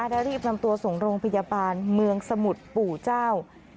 และรีบนำตัวส่งโรงพยาบาลเมืองสมุทรปู่เจ้า